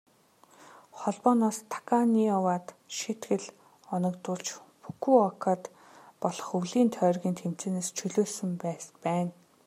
Холбооноос Таканоивад шийтгэл оногдуулж, Фүкүокад болох өвлийн тойргийн тэмцээнээс чөлөөлсөн байна.